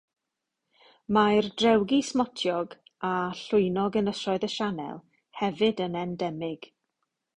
Mae'r drewgi smotiog a llwynog Ynysoedd y Sianel hefyd yn endemig.